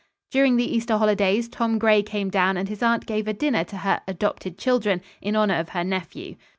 During the Easter holidays, Tom Gray came down and his aunt gave a dinner to her "adopted children" in honor of her nephew.